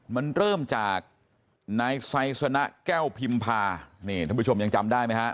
มันเริ่มจากนายไซสนะแก้วพิมพานี่ท่านผู้ชมยังจำได้ไหมฮะ